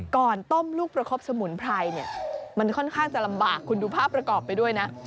ก่อนต้มลูกประคบสมุนไพรเนี่ยมันค่อนข้างจะลำบากคุณดูภาพประกอบไปด้วยนะ